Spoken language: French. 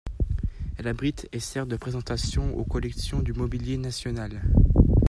Elle abrite et sert de présentation aux collections du Mobilier National.